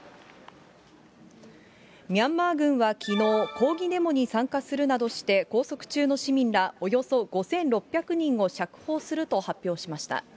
ミャンマー軍はきのう、抗議デモに参加するなどして、拘束中の市民らおよそ５６００人を釈放すると発表しました。